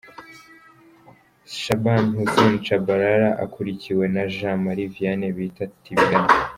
Shaban Hussein Tchabalala akurikiwe na Jean Marie Vianney bita Tibingana .